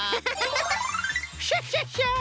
クシャシャシャ！